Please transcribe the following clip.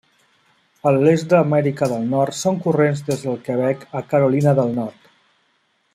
A l'est d'Amèrica del Nord són corrents des del Quebec a Carolina del Nord.